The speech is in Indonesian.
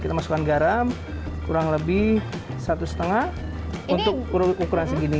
kita masukkan garam kurang lebih satu lima untuk ukuran segini